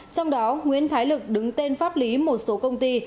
trong đó nguyễn thái lực đứng tên pháp lý một số công ty